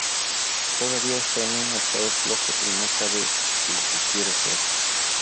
Todavía esta en un estado flojo y no sabe lo que quiere ser.